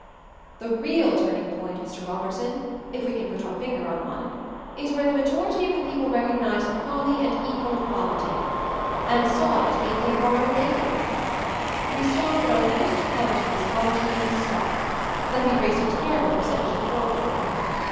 "The real turning point, Mr. Robertson, if we can put our finger on one, is where the majority of the people recognized the folly and evil of poverty — and saw it to be a thing of our own making. We saw that our worst poverty was poverty in the stock — that we raised a terrible percentage of poor people.